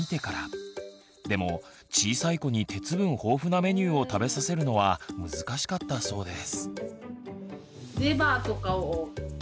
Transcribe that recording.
でも小さい子に鉄分豊富なメニューを食べさせるのは難しかったそうです。